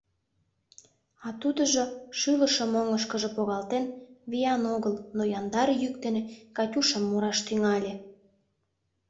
А тудыжо, шӱлышым оҥышкыжо погалтен, виян огыл, но яндар йӱк дене «Катюшам» мураш тӱҥале.